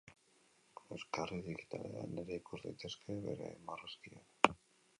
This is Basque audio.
Euskarri digitalean ere ikus daitezke bere marrazkiak.